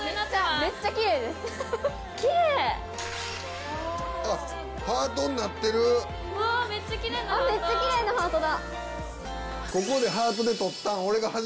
めっちゃキレイなハートだ。